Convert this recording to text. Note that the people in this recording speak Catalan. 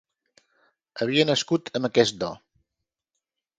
Havia nascut amb aquest do.